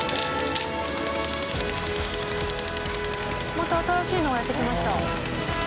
また新しいのがやって来ました。